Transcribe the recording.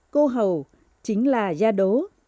cô hầu chính là gia đố